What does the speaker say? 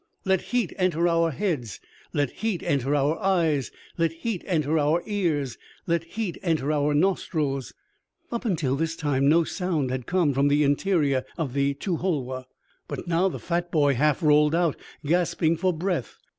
"_ "Let heat enter our heads, Let heat enter our eyes, Let heat enter our ears, Let heat enter our nostrils " Up to this time no sounds had come from the interior of the to hol woh. But now the fat boy half rolled out, gasping for breath.